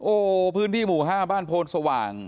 โอ้ภืนที่หมู่ฮ่าบ้านโพรสว่าง